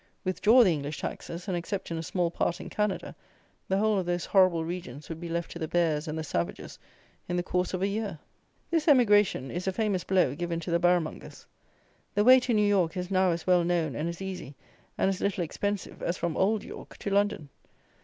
Withdraw the English taxes, and, except in a small part in Canada, the whole of those horrible regions would be left to the bears and the savages in the course of a year. This emigration is a famous blow given to the borough mongers. The way to New York is now as well known and as easy, and as little expensive as from old York to London.